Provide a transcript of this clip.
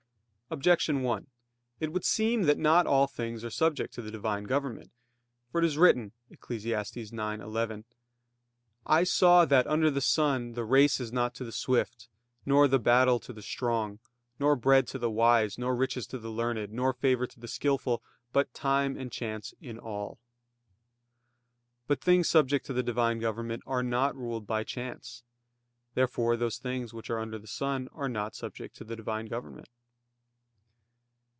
Objection 1: It would seem that not all things are subject to the Divine government. For it is written (Eccles. 9:11): "I saw that under the sun the race is not to the swift, nor the battle to the strong, nor bread to the wise, nor riches to the learned, nor favor to the skillful, but time and chance in all." But things subject to the Divine government are not ruled by chance. Therefore those things which are under the sun are not subject to the Divine government.